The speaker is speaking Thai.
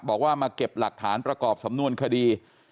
บอกว่ามาเก็บหลักฐานประกอบสำนวนคดี